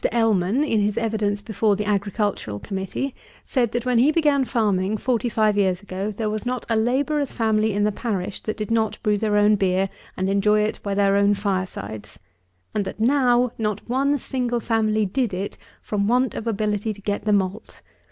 ELLMAN, in his evidence before the Agricultural Committee, said, that, when he began farming, forty five years ago, there was not a labourer's family in the parish that did not brew their own beer and enjoy it by their own fire sides; and that, now, not one single family did it, from want of ability to get the malt.